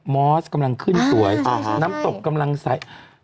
มอสกำลังขึ้นสวยน้ำตกกำลังใส